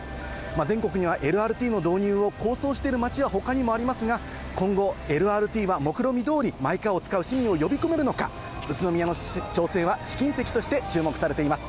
全国にはＬＲＴの導入を構想している街はほかにもありますが、今後、ＬＲＴはもくろみどおり、マイカーを使う市民を呼び込めるのか、宇都宮の挑戦は試金石として注目されています。